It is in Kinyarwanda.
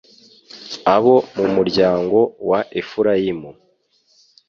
Abo mu muryango wa Efurayimu